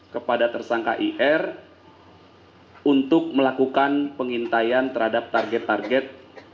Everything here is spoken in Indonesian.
kepada tersangka ir untuk melakukan pengintaian terhadap target target